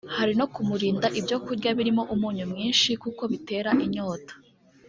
Hari no kumurinda ibyo kurya birimo umunyu mwinshi kuko bitera inyota